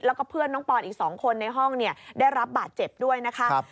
แล้วก็เพื่อนน้องปอนอีก๒คนในห้องได้รับบาดเจ็บด้วยนะคะ